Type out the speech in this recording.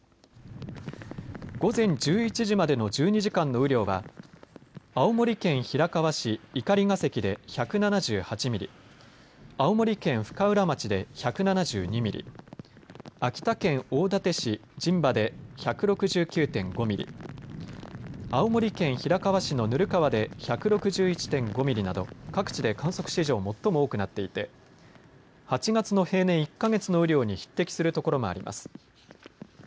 午前１１時までの１２時間の雨量は青森県平川市碇ヶ関で１７８ミリ、青森県深浦町で１７２ミリ、秋田県大館市陣馬で１６９．５ミリ、青森県平川市の温川で１６１．５ミリなど各地で観測史上最も多くなっていて８月の平年１か月の雨量に匹敵するところもあります。